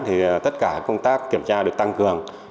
tất cả các công tác kiểm tra được tăng cường